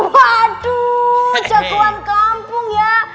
waduh jagoan kampung ya